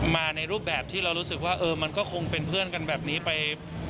มาในรูปแบบที่เรารู้สึกว่ามันก็คงเป็นเพื่อนกันแบบนี้ไป